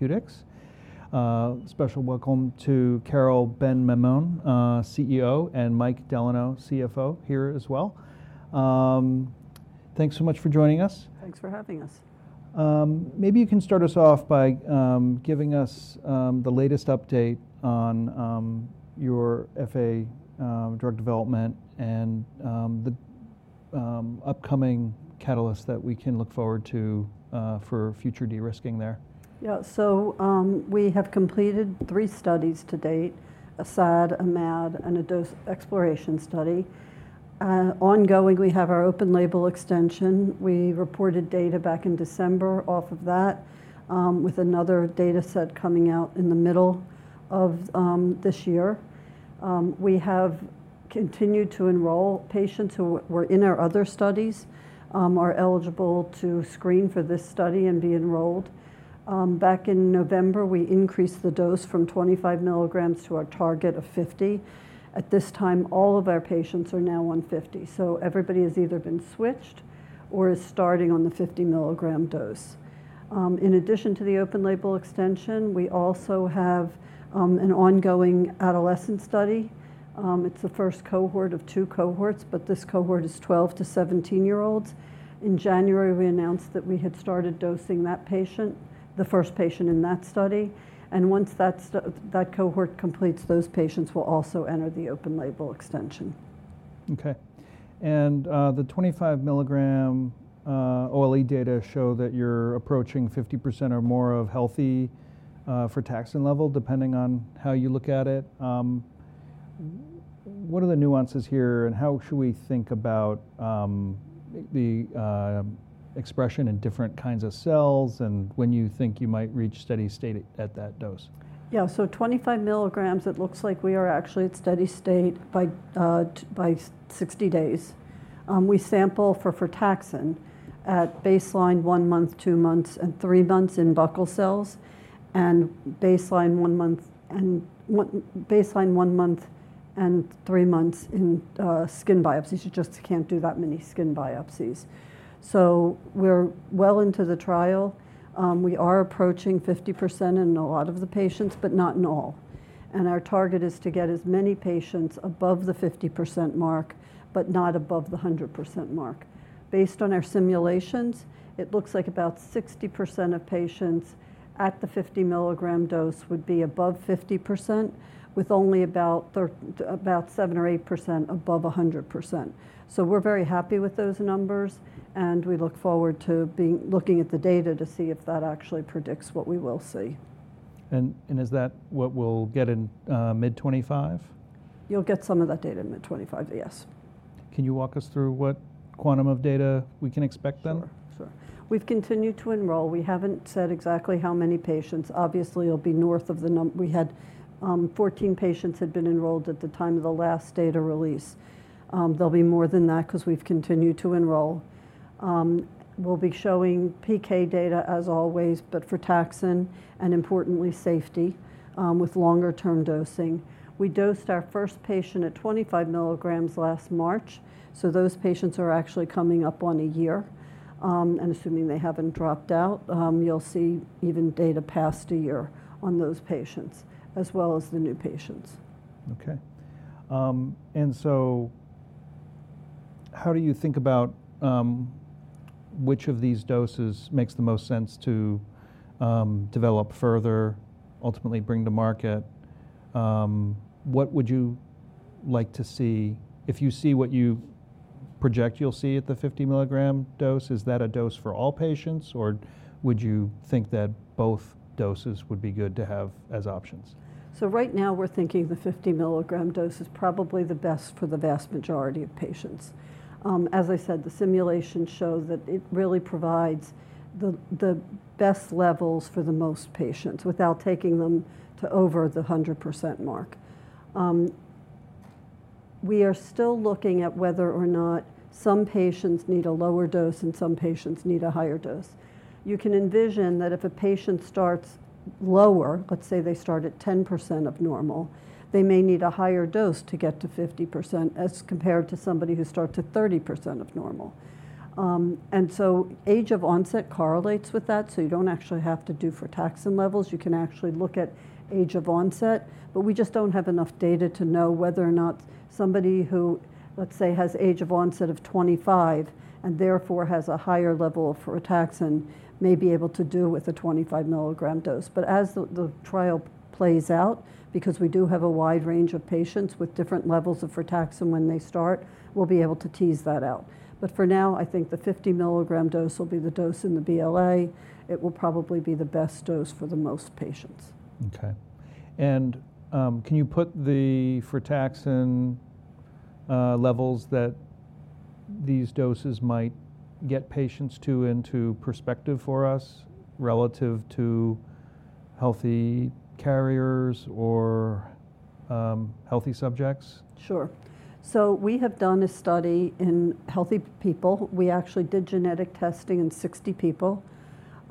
Larimar Therapeutics. Special welcome to Carole Ben-Maimon, CEO, and Mike Delano, CFO, here as well. Thanks so much for joining us. Thanks for having us. Maybe you can start us off by giving us the latest update on your FA drug development and the upcoming catalysts that we can look forward to for future de-risking there. Yeah, we have completed three studies to date: a SAD, a MAD, and a dose exploration study. Ongoing, we have our open label extension. We reported data back in December off of that, with another data set coming out in the middle of this year. We have continued to enroll patients who were in our other studies, are eligible to screen for this study and be enrolled. Back in November, we increased the dose from 25 mg to our target of 50. At this time, all of our patients are now on 50. Everybody has either been switched or is starting on the 50 mg dose. In addition to the open label extension, we also have an ongoing adolescent study. It's the first cohort of two cohorts, but this cohort is 12 to 17-year-olds. In January, we announced that we had started dosing that patient, the first patient in that study. Once that cohort completes, those patients will also enter the open label extension. Okay. The 25 mg OLE data show that you're approaching 50% or more of healthy frataxin level, depending on how you look at it. What are the nuances here, and how should we think about the expression in different kinds of cells, and when you think you might reach steady state at that dose? Yeah, so 25 mg, it looks like we are actually at steady state by 60 days. We sample for frataxin at baseline, one month, two months, and three months in buccal cells, and baseline, one month, and three months in skin biopsies. You just can't do that many skin biopsies. We are well into the trial. We are approaching 50% in a lot of the patients, but not in all. Our target is to get as many patients above the 50% mark, but not above the 100% mark. Based on our simulations, it looks like about 60% of patients at the 50 mg dose would be above 50%, with only about 7% or 8% above 100%. We are very happy with those numbers, and we look forward to looking at the data to see if that actually predicts what we will see. Is that what we'll get in mid-2025? You'll get some of that data in mid-2025, yes. Can you walk us through what quantum of data we can expect then? Sure, sure. We've continued to enroll. We haven't said exactly how many patients. Obviously, it'll be north of the number. We had 14 patients had been enrolled at the time of the last data release. There'll be more than that because we've continued to enroll. We'll be showing PK data, as always, but for frataxin and, importantly, safety with longer-term dosing. We dosed our first patient at 25 mg last March, so those patients are actually coming up on a year. Assuming they haven't dropped out, you'll see even data past a year on those patients, as well as the new patients. Okay. How do you think about which of these doses makes the most sense to develop further, ultimately bring to market? What would you like to see? If you see what you project you'll see at the 50 mg dose, is that a dose for all patients, or would you think that both doses would be good to have as options? Right now, we're thinking the 50 mg dose is probably the best for the vast majority of patients. As I said, the simulation shows that it really provides the best levels for the most patients without taking them to over the 100% mark. We are still looking at whether or not some patients need a lower dose and some patients need a higher dose. You can envision that if a patient starts lower, let's say they start at 10% of normal, they may need a higher dose to get to 50% as compared to somebody who starts at 30% of normal. Age of onset correlates with that, so you don't actually have to do frataxin levels. You can actually look at age of onset, but we just don't have enough data to know whether or not somebody who, let's say, has age of onset of 25 and therefore has a higher level of frataxin may be able to do with a 25 mg dose. As the trial plays out, because we do have a wide range of patients with different levels of frataxin when they start, we'll be able to tease that out. For now, I think the 50 mg dose will be the dose in the BLA. It will probably be the best dose for the most patients. Okay. Can you put the frataxin levels that these doses might get patients to into perspective for us relative to healthy carriers or healthy subjects? Sure. We have done a study in healthy people. We actually did genetic testing in 60 people,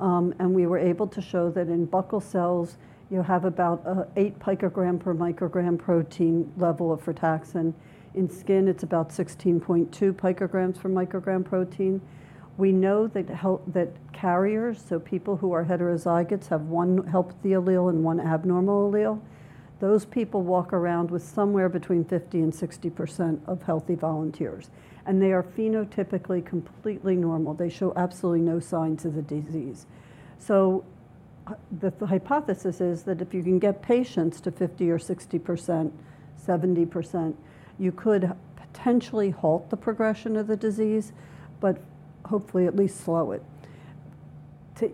and we were able to show that in buccal cells, you have about 8 pg/μg protein level of frataxin. In skin, it is about 16.2 pg/μg protein. We know that carriers, so people who are heterozygous, have one healthy allele and one abnormal allele. Those people walk around with somewhere between 50% and 60% of healthy volunteers, and they are phenotypically completely normal. They show absolutely no signs of the disease. The hypothesis is that if you can get patients to 50% or 60%, 70%, you could potentially halt the progression of the disease, but hopefully at least slow it. I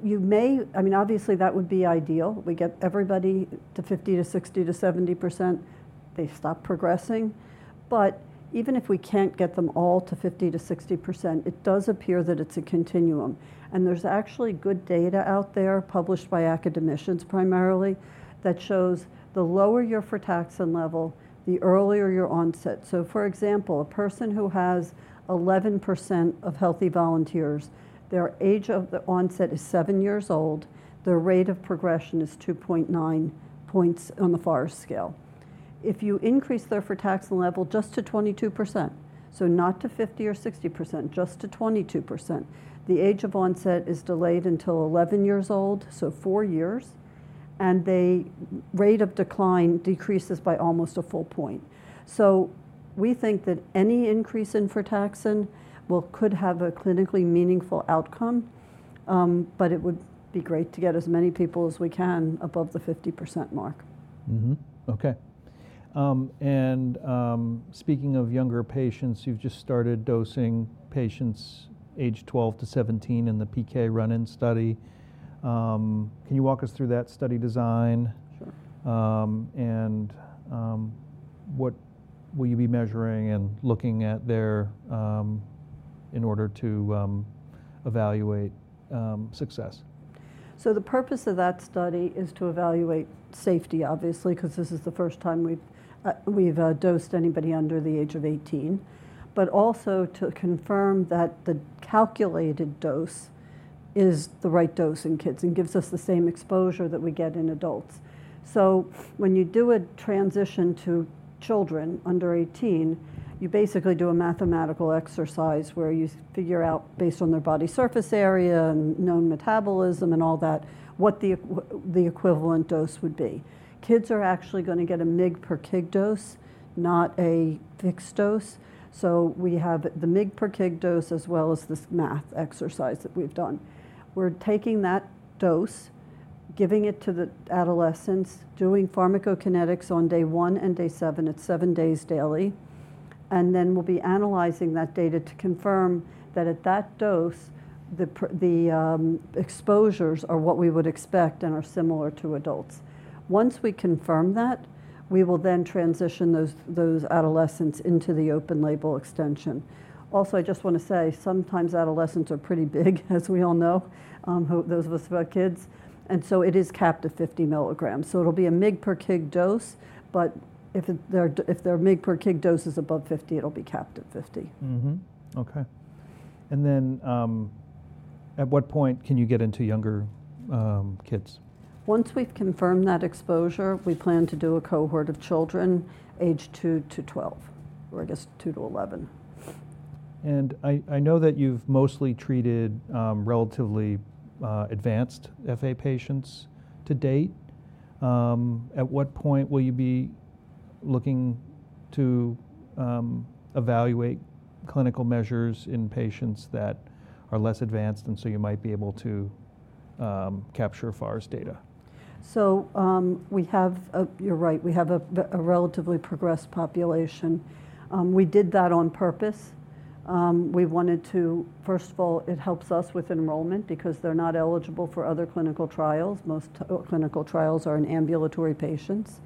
mean, obviously that would be ideal. We get everybody to 50% to 60% to 70%, they stop progressing. Even if we can't get them all to 50%-60%, it does appear that it's a continuum. There's actually good data out there published by academicians primarily that shows the lower your frataxin level, the earlier your onset. For example, a person who has 11% of healthy volunteers, their age of onset is 7 years old, their rate of progression is 2.9 points on the FARS scale. If you increase their frataxin level just to 22%, so not to 50% or 60%, just to 22%, the age of onset is delayed until 11 years old, so four years, and the rate of decline decreases by almost a full point. We think that any increase in frataxin could have a clinically meaningful outcome, but it would be great to get as many people as we can above the 50% mark. Okay. Speaking of younger patients, you've just started dosing patients age 12 to 17 in the PK run-in study. Can you walk us through that study design? Sure. What will you be measuring and looking at there in order to evaluate success? The purpose of that study is to evaluate safety, obviously, because this is the first time we've dosed anybody under the age of 18, but also to confirm that the calculated dose is the right dose in kids and gives us the same exposure that we get in adults. When you do a transition to children under 18, you basically do a mathematical exercise where you figure out, based on their body surface area and known metabolism and all that, what the equivalent dose would be. Kids are actually going to get a mg per kg dose, not a fixed dose. We have the mg per kg dose as well as this math exercise that we've done. We're taking that dose, giving it to the adolescents, doing pharmacokinetics on day one and day seven at seven days daily, and then we'll be analyzing that data to confirm that at that dose, the exposures are what we would expect and are similar to adults. Once we confirm that, we will then transition those adolescents into the open label extension. Also, I just want to say, sometimes adolescents are pretty big, as we all know, those of us who have kids, and so it is capped at 50 mg. So it'll be a mg per kg dose, but if their mg per kg dose is above 50, it'll be capped at 50. Okay. At what point can you get into younger kids? Once we've confirmed that exposure, we plan to do a cohort of children age two to twelve, or I guess two to eleven. I know that you've mostly treated relatively advanced FA patients to date. At what point will you be looking to evaluate clinical measures in patients that are less advanced and so you might be able to capture FARS data? We have, you're right, we have a relatively progressed population. We did that on purpose. We wanted to, first of all, it helps us with enrollment because they're not eligible for other clinical trials. Most clinical trials are in ambulatory patients.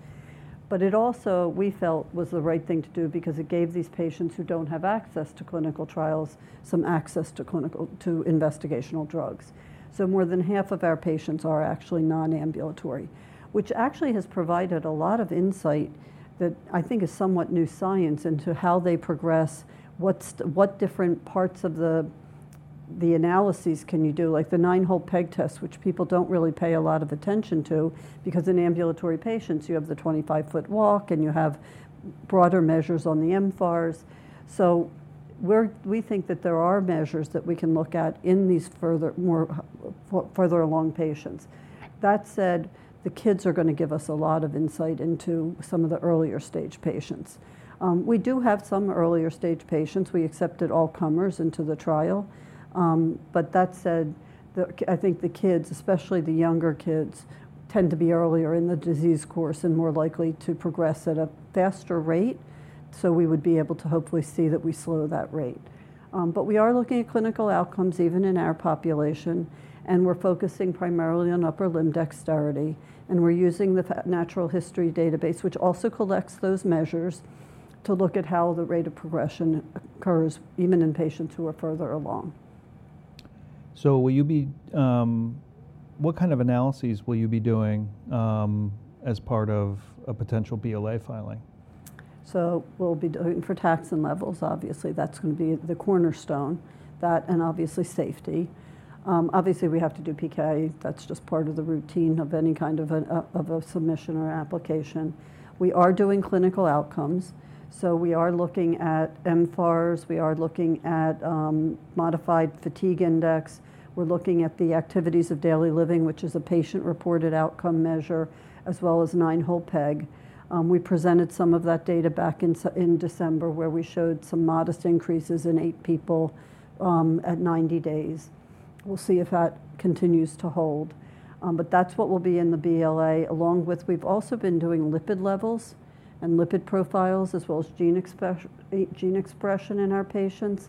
It also, we felt, was the right thing to do because it gave these patients who don't have access to clinical trials some access to investigational drugs. More than half of our patients are actually non-ambulatory, which actually has provided a lot of insight that I think is somewhat new science into how they progress, what different parts of the analyses can you do, like the Nine-Hole Peg Test, which people don't really pay a lot of attention to because in ambulatory patients, you have the 25-Foot Walk and you have broader measures on the mFARS. We think that there are measures that we can look at in these further along patients. That said, the kids are going to give us a lot of insight into some of the earlier stage patients. We do have some earlier stage patients. We accepted all comers into the trial. That said, I think the kids, especially the younger kids, tend to be earlier in the disease course and more likely to progress at a faster rate, so we would be able to hopefully see that we slow that rate. We are looking at clinical outcomes even in our population, and we're focusing primarily on upper limb dexterity, and we're using the natural history database, which also collects those measures to look at how the rate of progression occurs even in patients who are further along. What kind of analyses will you be doing as part of a potential BLA filing? We'll be doing frataxin levels, obviously. That's going to be the cornerstone, that and obviously safety. Obviously, we have to do PK. That's just part of the routine of any kind of a submission or application. We are doing clinical outcomes, so we are looking at mFARS. We are looking at modified fatigue index. We're looking at the activities of daily living, which is a patient-reported outcome measure, as well as nine-hole peg. We presented some of that data back in December where we showed some modest increases in eight people at 90 days. We'll see if that continues to hold. That's what will be in the BLA, along with we've also been doing lipid levels and lipid profiles, as well as gene expression in our patients.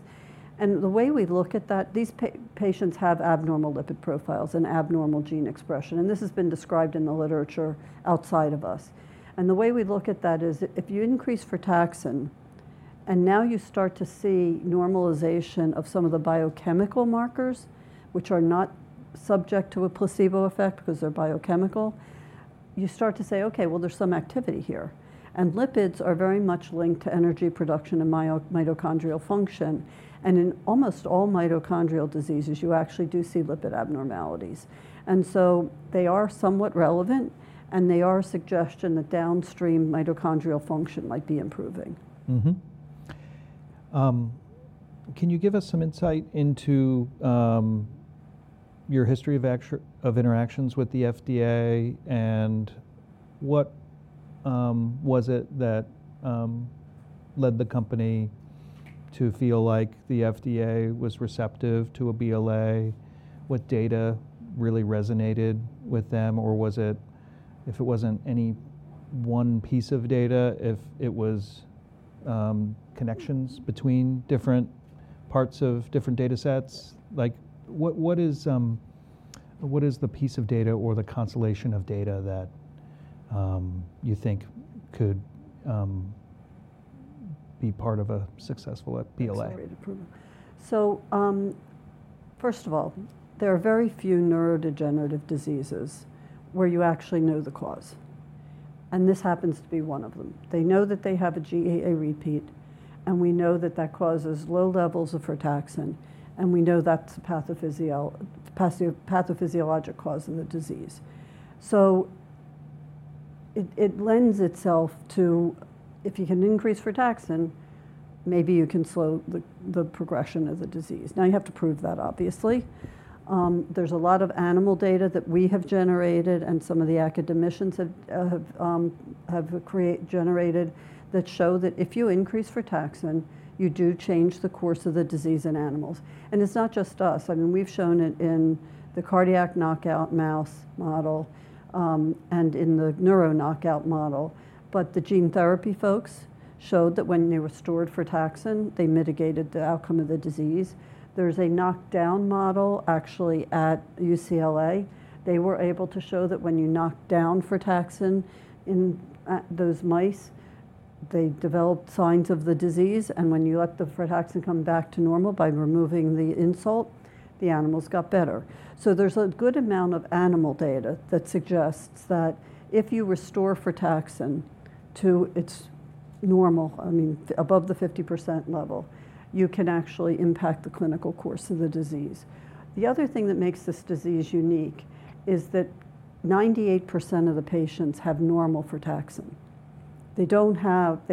The way we look at that, these patients have abnormal lipid profiles and abnormal gene expression, and this has been described in the literature outside of us. The way we look at that is if you increase frataxin and now you start to see normalization of some of the biochemical markers, which are not subject to a placebo effect because they're biochemical, you start to say, okay, there's some activity here. Lipids are very much linked to energy production and mitochondrial function, and in almost all mitochondrial diseases, you actually do see lipid abnormalities. They are somewhat relevant, and they are a suggestion that downstream mitochondrial function might be improving. Can you give us some insight into your history of interactions with the FDA, and what was it that led the company to feel like the FDA was receptive to a BLA? What data really resonated with them, or was it, if it wasn't any one piece of data, if it was connections between different parts of different data sets? What is the piece of data or the constellation of data that you think could be part of a successful BLA? First of all, there are very few neurodegenerative diseases where you actually know the cause, and this happens to be one of them. They know that they have a GAA repeat, and we know that that causes low levels of frataxin, and we know that's the pathophysiologic cause of the disease. It lends itself to, if you can increase frataxin, maybe you can slow the progression of the disease. Now, you have to prove that, obviously. There's a lot of animal data that we have generated and some of the academicians have generated that show that if you increase frataxin, you do change the course of the disease in animals. It's not just us. I mean, we've shown it in the cardiac knockout mouse model and in the neuro knockout model, but the gene therapy folks showed that when they restored frataxin, they mitigated the outcome of the disease. There's a knockdown model actually at UCLA. They were able to show that when you knock down frataxin in those mice, they developed signs of the disease, and when you let the frataxin come back to normal by removing the insult, the animals got better. There is a good amount of animal data that suggests that if you restore frataxin to its normal, I mean, above the 50% level, you can actually impact the clinical course of the disease. The other thing that makes this disease unique is that 98% of the patients have normal frataxin. They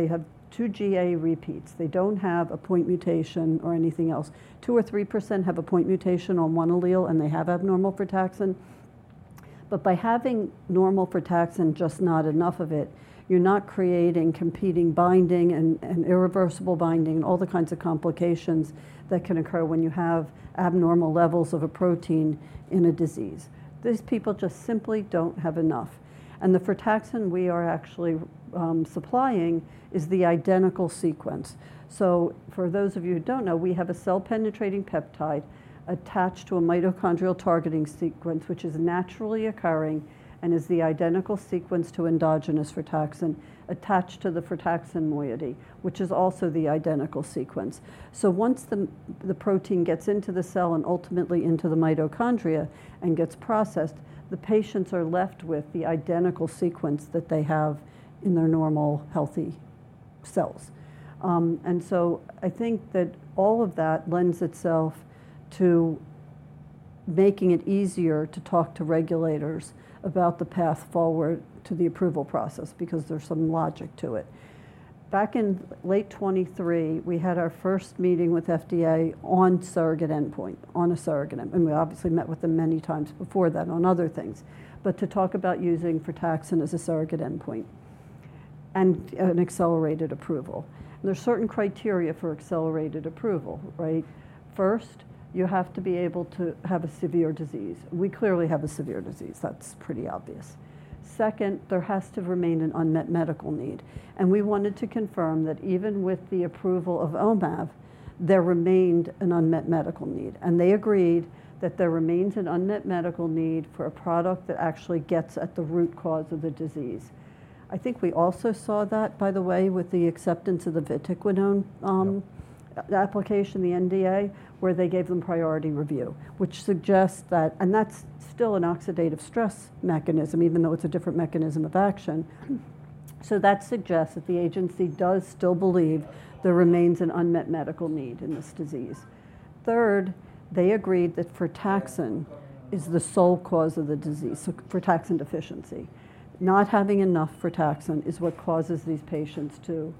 have two GAA repeats. They don't have a point mutation or anything else. Two or 3% have a point mutation on one allele, and they have abnormal frataxin. By having normal frataxin, just not enough of it, you're not creating competing binding and irreversible binding and all the kinds of complications that can occur when you have abnormal levels of a protein in a disease. These people just simply don't have enough. The frataxin we are actually supplying is the identical sequence. For those of you who don't know, we have a cell-penetrating peptide attached to a mitochondrial targeting sequence, which is naturally occurring and is the identical sequence to endogenous frataxin attached to the frataxin moiety, which is also the identical sequence. Once the protein gets into the cell and ultimately into the mitochondria and gets processed, the patients are left with the identical sequence that they have in their normal healthy cells. I think that all of that lends itself to making it easier to talk to regulators about the path forward to the approval process because there's some logic to it. Back in late 2023, we had our first meeting with FDA on a surrogate endpoint. We obviously met with them many times before that on other things, but to talk about using frataxin as a surrogate endpoint and an accelerated approval. There are certain criteria for accelerated approval, right? First, you have to be able to have a severe disease. We clearly have a severe disease. That's pretty obvious. Second, there has to remain an unmet medical need. We wanted to confirm that even with the approval of omaveloxolone, there remained an unmet medical need. They agreed that there remains an unmet medical need for a product that actually gets at the root cause of the disease. I think we also saw that, by the way, with the acceptance of the vatiquinone application, the NDA, where they gave them priority review, which suggests that, and that's still an oxidative stress mechanism, even though it's a different mechanism of action. That suggests that the agency does still believe there remains an unmet medical need in this disease. Third, they agreed that frataxin is the sole cause of the disease, so frataxin deficiency. Not having enough frataxin is what causes these patients to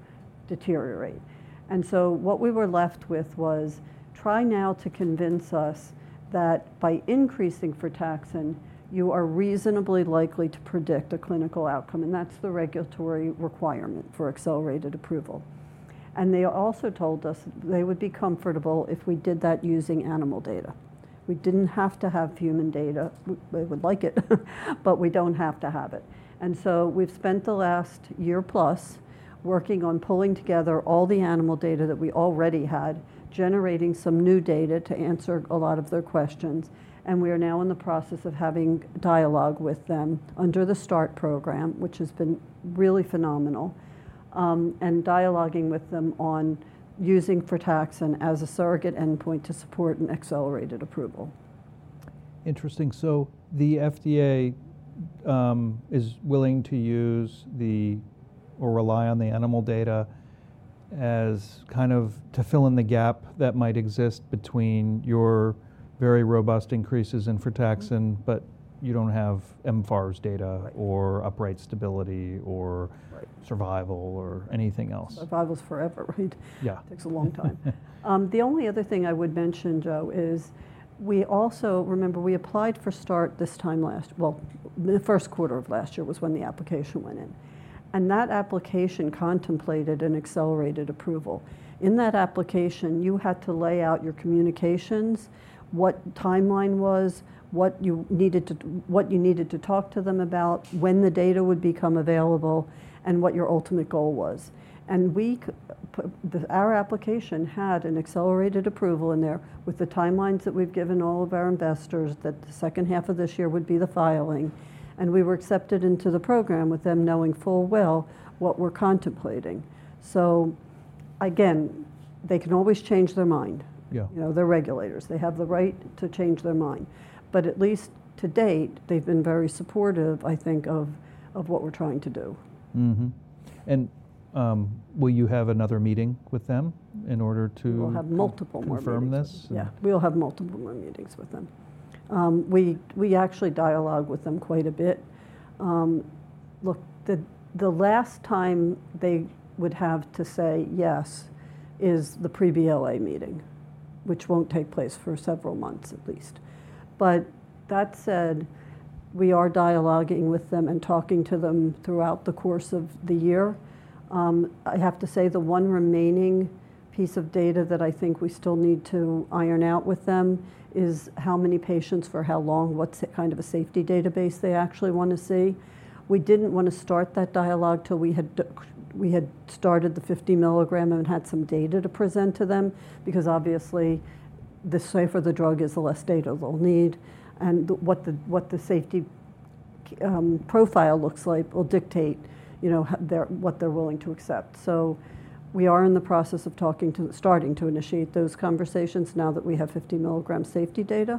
deteriorate. What we were left with was, try now to convince us that by increasing frataxin, you are reasonably likely to predict a clinical outcome, and that's the regulatory requirement for accelerated approval. They also told us they would be comfortable if we did that using animal data. We did not have to have human data. We would like it, but we do not have to have it. We have spent the last year plus working on pulling together all the animal data that we already had, generating some new data to answer a lot of their questions, and we are now in the process of having dialogue with them under the START program, which has been really phenomenal, and dialoguing with them on using frataxin as a surrogate endpoint to support an accelerated approval. Interesting. The FDA is willing to use or rely on the animal data as kind of to fill in the gap that might exist between your very robust increases in frataxin, but you do not have mFARS data or upright stability or survival or anything else. Survival's forever, right? Yeah. Takes a long time. The only other thing I would mention, is we also, remember, we applied for START this time last, the first quarter of last year was when the application went in. That application contemplated an accelerated approval. In that application, you had to lay out your communications, what timeline was, what you needed to talk to them about, when the data would become available, and what your ultimate goal was. Our application had an accelerated approval in there with the timelines that we've given all of our investors that the second half of this year would be the filing, and we were accepted into the program with them knowing full well what we're contemplating. They can always change their mind. Yeah. They're regulators. They have the right to change their mind. At least to date, they've been very supportive, I think, of what we're trying to do. Will you have another meeting with them in order to? We'll have multiple more meetings. Confirm this? Yeah. We'll have multiple more meetings with them. We actually dialogue with them quite a bit. Look, the last time they would have to say yes is the pre-BLA meeting, which won't take place for several months at least. That said, we are dialoguing with them and talking to them throughout the course of the year. I have to say the one remaining piece of data that I think we still need to iron out with them is how many patients, for how long, what's the kind of a safety database they actually want to see. We didn't want to start that dialogue till we had started the 50 mg and had some data to present to them because obviously the safer the drug is, the less data they'll need, and what the safety profile looks like will dictate what they're willing to accept. We are in the process of talking to, starting to initiate those conversations now that we have 50 mg safety data.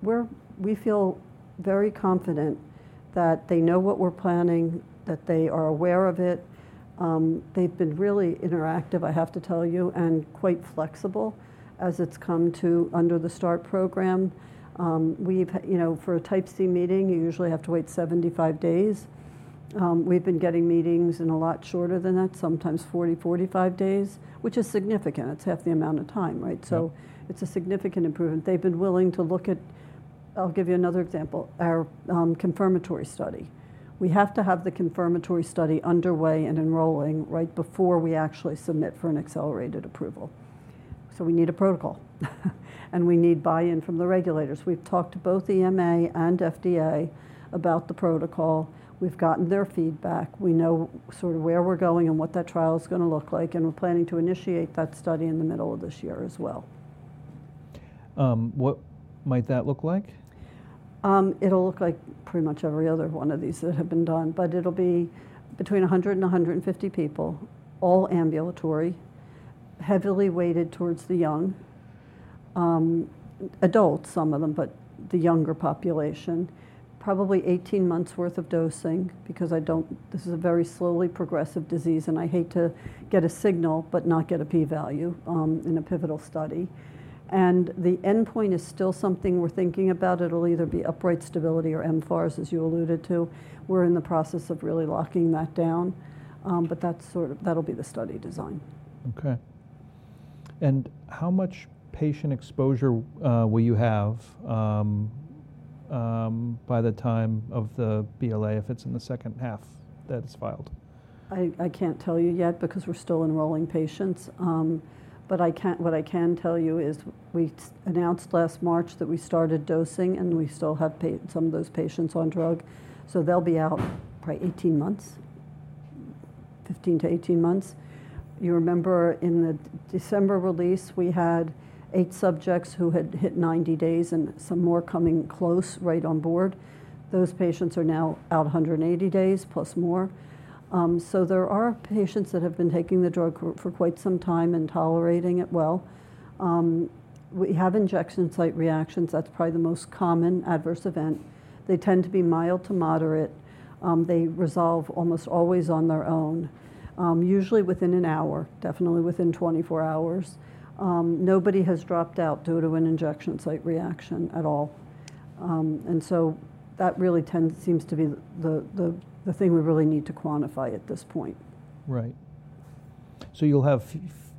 We feel very confident that they know what we're planning, that they are aware of it. They've been really interactive, I have to tell you, and quite flexible as it's come to under the START program. For a Type C meeting, you usually have to wait 75 days. We've been getting meetings in a lot shorter than that, sometimes 40, 45 days, which is significant. It's half the amount of time, right? It's a significant improvement. They've been willing to look at, I'll give you another example, our confirmatory study. We have to have the confirmatory study underway and enrolling right before we actually submit for an accelerated approval. We need a protocol, and we need buy-in from the regulators. We've talked to both EMA and FDA about the protocol. We've gotten their feedback. We know sort of where we're going and what that trial is going to look like, and we're planning to initiate that study in the middle of this year as well. What might that look like? It'll look like pretty much every other one of these that have been done, but it'll be between 100 and 150 people, all ambulatory, heavily weighted towards the young, adults, some of them, but the younger population, probably 18 months' worth of dosing because I don't, this is a very slowly progressive disease, and I hate to get a signal but not get a P-value in a pivotal study. The endpoint is still something we're thinking about. It'll either be upright stability or mFARS, as you alluded to. We're in the process of really locking that down, but that'll be the study design. Okay. How much patient exposure will you have by the time of the BLA if it's in the second half that it's filed? I can't tell you yet because we're still enrolling patients. What I can tell you is we announced last March that we started dosing, and we still have some of those patients on drug. They'll be out probably 18 months, 15-18 months. You remember in the December release, we had eight subjects who had hit 90 days and some more coming close right on board. Those patients are now out 180 days plus more. There are patients that have been taking the drug for quite some time and tolerating it well. We have injection site reactions. That's probably the most common adverse event. They tend to be mild to moderate. They resolve almost always on their own, usually within an hour, definitely within 24 hours. Nobody has dropped out due to an injection site reaction at all. That really seems to be the thing we really need to quantify at this point. Right. You will have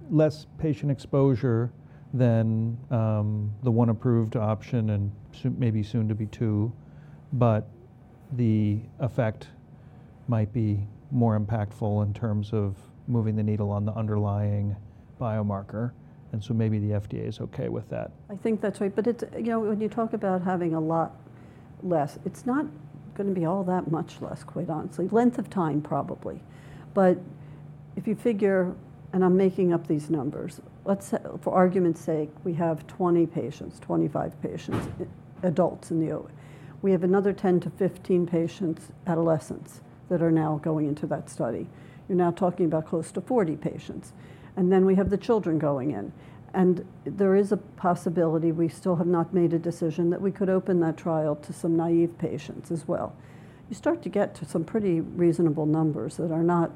less patient exposure than the one approved option and maybe soon to be two, but the effect might be more impactful in terms of moving the needle on the underlying biomarker. Maybe the FDA is okay with that. I think that's right. When you talk about having a lot less, it's not going to be all that much less, quite honestly. Length of time, probably. If you figure, and I'm making up these numbers, for argument's sake, we have 20 patients, 25 patients, adults in the OLE. We have another 10-15 patients, adolescents, that are now going into that study. You're now talking about close to 40 patients. We have the children going in. There is a possibility we still have not made a decision that we could open that trial to some naive patients as well. You start to get to some pretty reasonable numbers that are not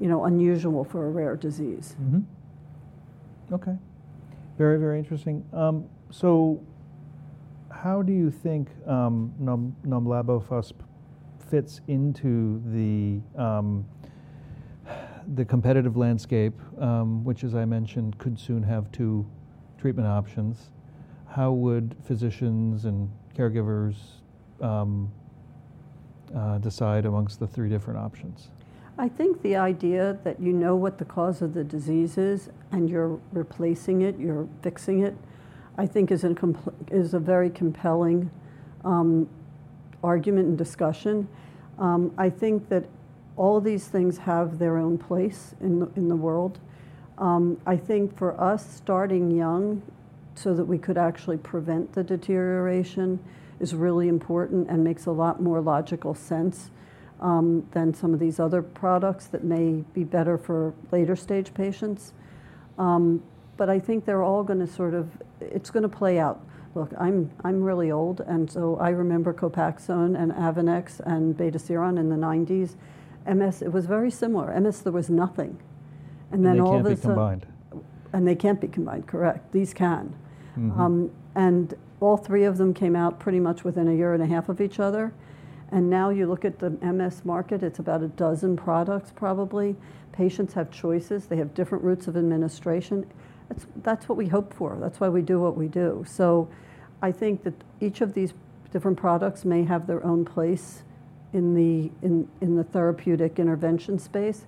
unusual for a rare disease. Okay. Very, very interesting. How do you think nomlabofusp fits into the competitive landscape, which, as I mentioned, could soon have two treatment options? How would physicians and caregivers decide amongst the three different options? I think the idea that you know what the cause of the disease is and you're replacing it, you're fixing it, I think is a very compelling argument and discussion. I think that all these things have their own place in the world. I think for us, starting young so that we could actually prevent the deterioration is really important and makes a lot more logical sense than some of these other products that may be better for later stage patients. I think they're all going to sort of, it's going to play out. Look, I'm really old, and so I remember Copaxone and Avonex and Betaseron in the 1990s. MS, it was very similar. MS, there was nothing. And then all of a sudden. They can't be combined. They can't be combined, correct. These can. All three of them came out pretty much within a year and a half of each other. Now you look at the MS market, it's about a dozen products, probably. Patients have choices. They have different routes of administration. That's what we hope for. That's why we do what we do. I think that each of these different products may have their own place in the therapeutic intervention space.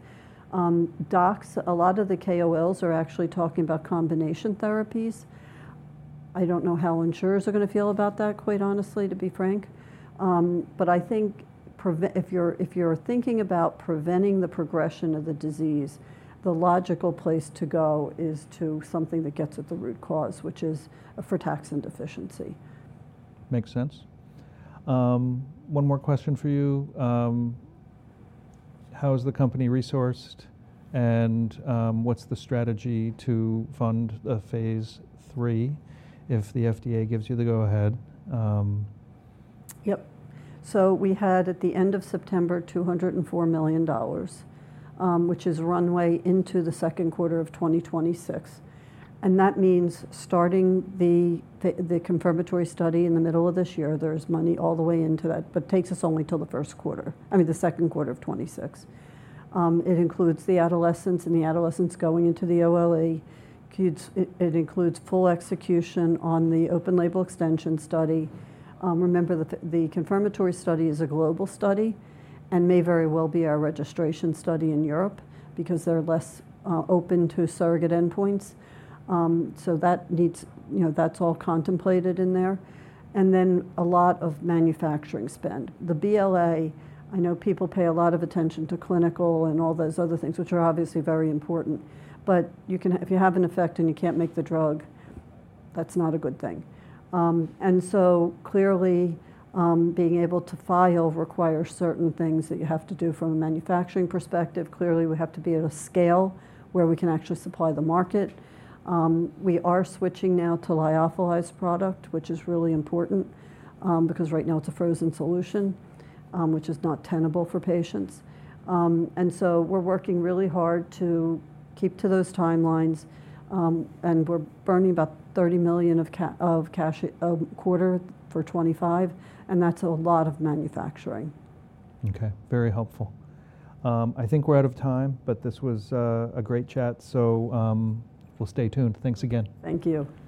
Docs, a lot of the KOLs are actually talking about combination therapies. I don't know how insurers are going to feel about that, quite honestly, to be frank. I think if you're thinking about preventing the progression of the disease, the logical place to go is to something that gets at the root cause, which is a frataxin deficiency. Makes sense. One more question for you. How is the company resourced, and what's the strategy to fund a phase III if the FDA gives you the go-ahead? Yep. We had, at the end of September, $204 million, which is runway into the second quarter of 2026. That means starting the confirmatory study in the middle of this year, there's money all the way into that, but it takes us only till the first quarter, I mean, the second quarter of 2026. It includes the adolescents and the adolescents going into the OLE. It includes full execution on the open label extension study. Remember, the confirmatory study is a global study and may very well be our registration study in Europe because they're less open to surrogate endpoints. That's all contemplated in there. A lot of manufacturing spend. The BLA, I know people pay a lot of attention to clinical and all those other things, which are obviously very important. If you have an effect and you can't make the drug, that's not a good thing. Clearly, being able to file requires certain things that you have to do from a manufacturing perspective. Clearly, we have to be at a scale where we can actually supply the market. We are switching now to lyophilized product, which is really important because right now it's a frozen solution, which is not tenable for patients. We are working really hard to keep to those timelines, and we're burning about $30 million of cash a quarter for 2025, and that's a lot of manufacturing. Okay. Very helpful. I think we're out of time, but this was a great chat, so we'll stay tuned. Thanks again. Thank you.